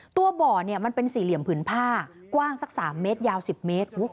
บ่อมันเป็นสี่เหลี่ยมผืนผ้ากว้างสัก๓เมตรยาว๑๐เมตร